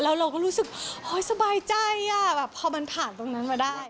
แล้วเราก็รู้สึกสบายใจอ่ะแบบพอมันผ่านตรงนั้นมาได้